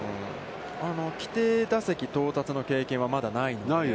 規定打席到達の経験はまだないので。